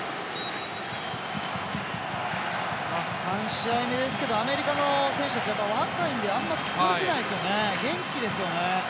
３試合目ですけどアメリカの選手たち若いんであまり疲れてないですね元気ですよね。